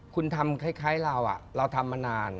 คุณทำคล้ายเราเราทำมานาน